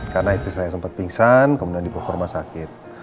karena istri saya sempat pingsan kemudian diberhormat sakit